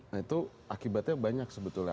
nah itu akibatnya banyak sebetulnya